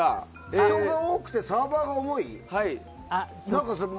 人が多くてサーバーが重いと。